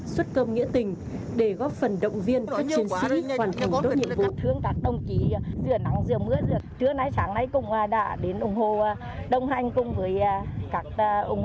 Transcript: xuất công nghĩa tình để góp phần động viên các chiến sĩ hoàn thành đối nhiệm vụ